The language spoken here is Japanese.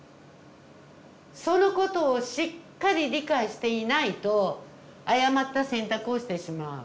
そのことをしっかり理解していないと誤った選択をしてしまう。